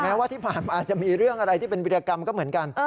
ว่าที่ผ่านมาจะมีเรื่องอะไรที่เป็นวิทยากรรมก็เหมือนกัน